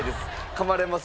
噛まれます